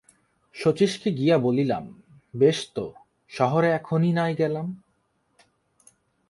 শচীশকে গিয়া বলিলাম, বেশ তো, শহরে এখনই নাই গেলাম।